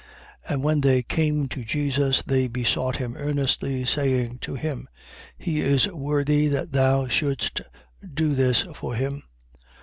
7:4. And when they came to Jesus, they besought him earnestly, saying to him: He is worthy that thou shouldest do this for him.